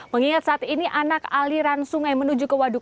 mengingat saat ini anak aliran sungai menuju ke waduk